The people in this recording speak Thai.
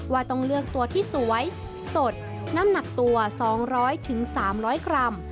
ว่าต้องเลือกตัวที่สวยสดน้ำหนักตัว๒๐๐๓๐๐กรัม